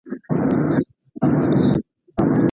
د جملو ترمنځ واټن باید مناسب وي.